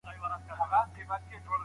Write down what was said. که احساسات کنټرول سي نو منطق پیاوړی کیږي.